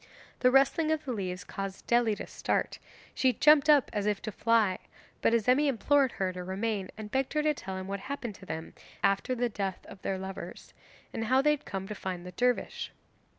The rustling of the leaves caused Dely to start; she jumped up as if to fly, but Azemi implored her to remain and begged her to tell him what happened to them after the death of their lovers, and how they had come to find the dervish.